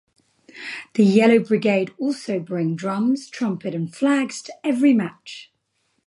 The Yellow Brigade also bring drums, trumpet and flags to every match.